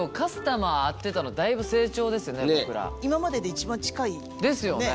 今までで一番近い。ですよね？